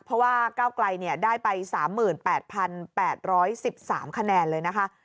เพราะว่าก้าวไกลได้ไป๓๘๘๑๓คะแนนเลยนะคะ